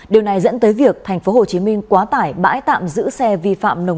điều này dẫn tới việc tp hcm quá tải bãi tạm giữ xe vi phạm nồng độ cồn